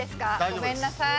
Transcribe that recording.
ごめんなさい。